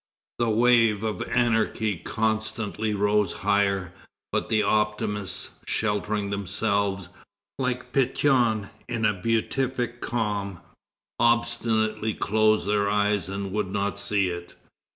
The wave of anarchy constantly rose higher, but the optimists, sheltering themselves, like Pétion, in a beatific calm, obstinately closed their eyes and would not see it.